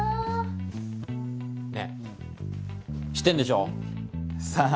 ねえ知ってんでしょ？さあ。